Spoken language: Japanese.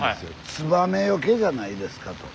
ツバメよけじゃないですかと。